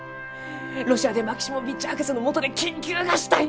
ロシアでマキシモヴィッチ博士のもとで研究がしたい！